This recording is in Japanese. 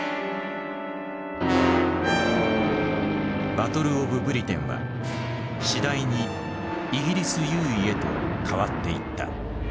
バトル・オブ・ブリテンは次第にイギリス優位へと変わっていった。